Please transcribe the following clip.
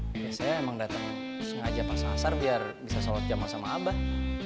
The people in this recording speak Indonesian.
biasanya emang datang sengaja pas asar biar bisa sholat jamaah sama abah